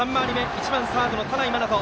１番サードの田内真翔。